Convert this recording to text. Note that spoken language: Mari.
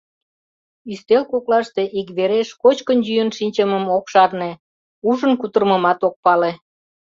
Ӱстел коклаште иквереш кочкын-йӱын шинчымым ок шарне, ужын кутырымымат ок пале.